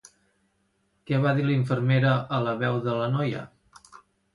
Què va dir l'infermera a La Veu de l'Anoia?